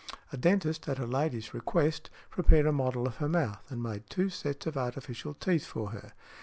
|169| A dentist, at a lady's request, prepared a model of her mouth, and made two sets of artificial teeth for her.